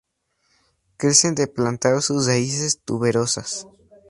Crecen de plantar sus raíces tuberosas.